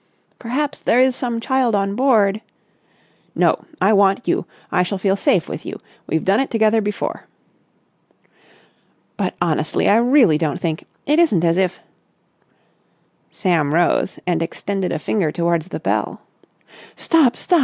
"Perhaps there is some child on board...." "No. I want you. I shall feel safe with you. We've done it together before." "But, honestly, I really don't think ... it isn't as if...." Sam rose and extended a finger towards the bell. "Stop! Stop!"